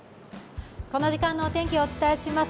この時間のお天気をお伝えします。